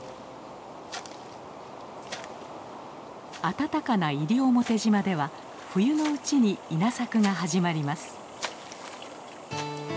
暖かな西表島では冬のうちに稲作が始まります。